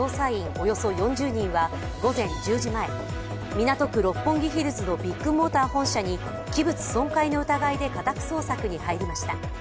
およそ４０人は午前１０時前、港区・六本木ヒルズのビッグモーター本社に器物損壊の疑いで家宅捜索に入りました。